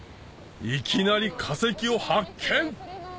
いきなり化石を発見！